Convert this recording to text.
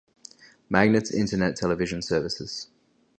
Magnet's Internet Television services.